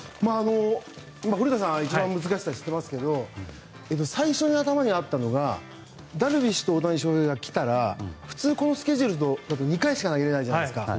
古田さん一番難しさ知っていますけど最初に頭にあったのがダルビッシュと大谷翔平が来たら普通このスケジュールだと２回しか投げれないじゃないですか。